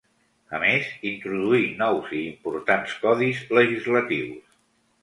A més, introduí nous i importants codis legislatius.